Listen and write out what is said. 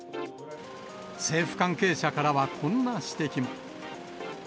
政府関係者からは、こんな指摘も。